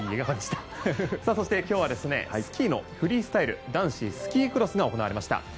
そして、今日はスキーのフリースタイル男子スキークロスが行われました。